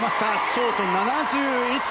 ショート、７１．７２！